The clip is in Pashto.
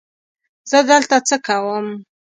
زه دلته څه کوم؟